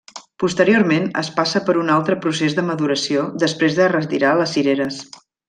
Posteriorment es passa per un altre procés de maduració després de retirar les cireres.